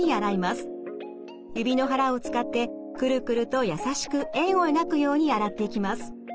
指の腹を使ってクルクルと優しく円を描くように洗っていきます。